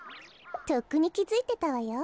とっくにきづいてたわよ。